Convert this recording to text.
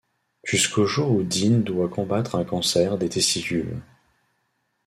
Jusqu'au jour où Dean doit combattre un cancer des testicules.